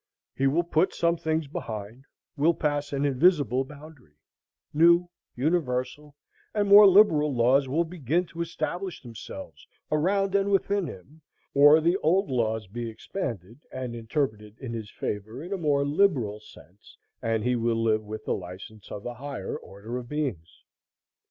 He will put some things behind, will pass an invisible boundary; new, universal, and more liberal laws will begin to establish themselves around and within him; or the old laws be expanded, and interpreted in his favor in a more liberal sense, and he will live with the license of a higher order of beings.